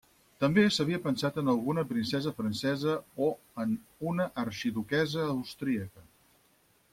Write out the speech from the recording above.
També s'havia pensat en alguna princesa francesa o en una arxiduquessa austríaca.